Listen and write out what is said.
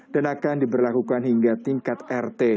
dan akan diberlakukan hingga tingkat rt